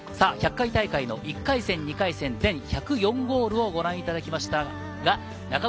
１００回大会の１回戦、２回戦、全１０４ゴールをご覧いただきました。